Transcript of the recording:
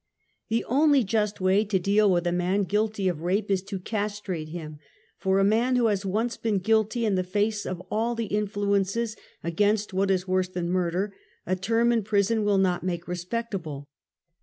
The only just way to deal with a man guilty of \ irape is to castrate him, for a man who has once been guilty in the face of all the influences against what is worse than murder, a term in prison will not make respectable.